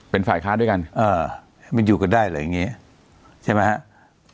เป็นฝ่ายค้าด้วยกันมันอยู่กันได้หรืออย่างนี้ใช่ไหม